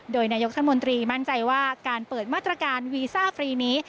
โดยนายกรัฐมนตรีมั่นใจว่าการเปิดมาตรการวีซ่าฟรีนี้